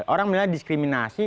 orang menilai diskriminasi